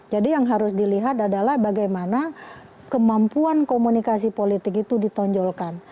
jadi yang harus dilihat adalah bagaimana kemampuan komunikasi politik itu ditonjolkan